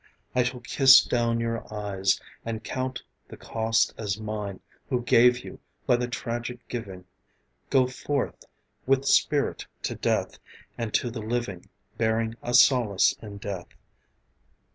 I shall kiss down your eyes, and count the cost As mine, who gave you, by the tragic giving. Go forth with spirit to death, and to the living Bearing a solace in death.